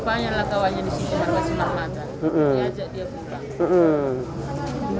rupanya lakawanya disini sini ajak dia pulang